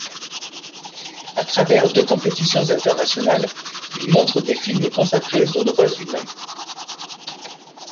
À travers deux compétitions internationales, il montre des films consacrés aux droits humains.